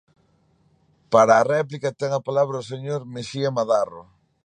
Para a réplica, ten a palabra o señor Mexía Madarro.